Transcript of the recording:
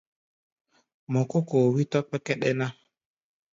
Mɔ kó kóo, wí tɔ̧́ kpɛ́kɛ́ɗɛ́ ná.